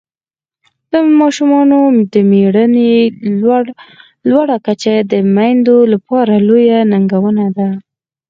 د ماشومانو د مړینې لوړه کچه میندو لپاره لویه ننګونه ده.